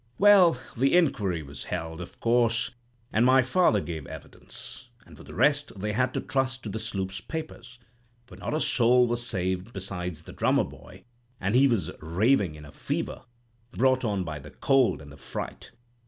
"Well, the inquiry was held, of course, and my father gave evidence, and for the rest they had to trust to the sloop's papers, for not a soul was saved besides the drummer boy, and he was raving in a fever, brought on by the cold and the fright.